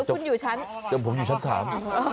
แล้วคุณอยู่ชั้นโอเคมันได้แหละจำผมอยู่ชั้นสาม